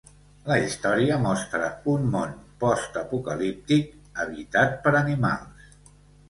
La història mostra un món postapocalíptic habitat per animals.